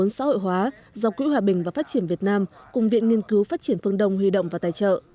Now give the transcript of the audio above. công trình được được xã hội hóa do quỹ hòa bình và phát triển việt nam cùng viện nghiên cứu phát triển phương đông huy động và tài trợ